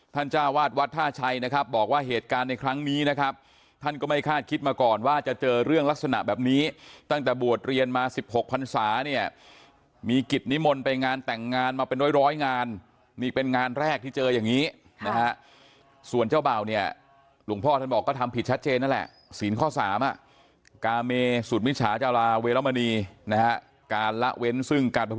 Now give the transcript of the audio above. ท่านจ้าวาดวัดท่าชัยนะครับบอกว่าเหตุการณ์ในครั้งนี้นะครับท่านก็ไม่คาดคิดมาก่อนว่าจะเจอเรื่องลักษณะแบบนี้ตั้งแต่บวชเรียนมาสิบหกคันศาเนี่ยมีกิจนิมนต์ไปงานแต่งงานมาเป็นร้อยร้อยงานนี่เป็นงานแรกที่เจออย่างนี้นะฮะส่วนเจ้าบ่าวเนี่ยหลวงพ่อท่านบอกก็ทำผิดชัดเจนนั่นแหละสินข้อสามอ